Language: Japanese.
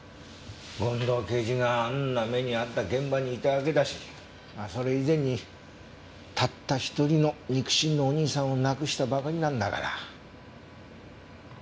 権藤刑事があんな目に遭った現場にいたわけだしまあそれ以前にたったひとりの肉親のお兄さんを亡くしたばかりなんだから。